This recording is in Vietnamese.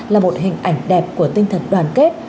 là một hình ảnh đẹp của tinh thần đoàn kết